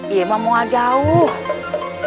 iyemang mau aja wuhh